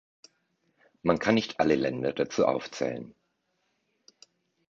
Man kann nicht alle Länder dazu aufzählen.